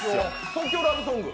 即興ラブソング。